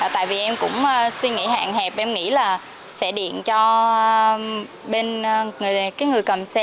tại vì em cũng suy nghĩ hạn hẹp em nghĩ là sẽ điện cho bên người cầm xe